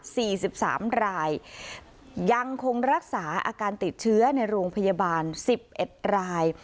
สิบสามรายยังคงรักษาอาการติดเชื้อในโรงพยาบาลสิบเอ็ดราย